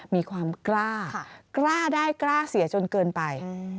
มีความกล้ากล้าได้กล้าเสียจนเกินไป